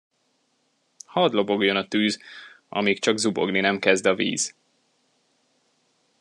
Hadd lobogjon a tűz, amíg csak zubogni nem kezd a víz!